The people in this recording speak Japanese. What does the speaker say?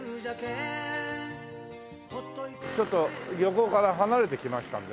ちょっと漁港から離れてきましたのでね。